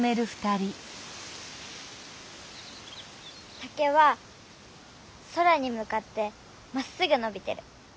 竹は空にむかってまっすぐのびてる。